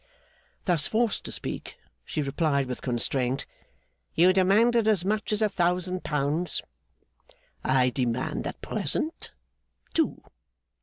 Thus forced to speak, she replied with constraint, 'You demanded as much as a thousand pounds.' 'I demand at present, Two.